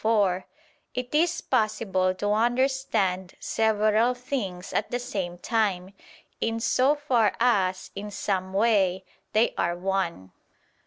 4), it is possible to understand several things at the same time, in so far as, in some way, they are one.